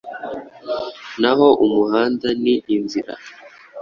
naho umuhanda ni inzira